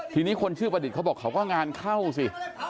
ทีนี้คนชื่อประดิษฐ์เขาบอกเขาก็งานเข้าสิ